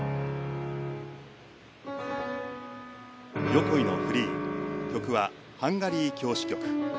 横井のフリー曲は「ハンガリー狂詩曲」。